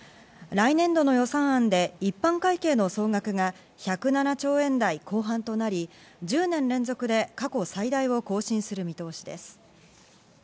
来年度の予算案で一般会計の総額が１０７兆円台後半となり、１０年連続で過去最大を更新する見通しです。